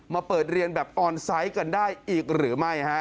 มาเปิดเรียนแบบออนไซต์กันได้อีกหรือไม่ฮะ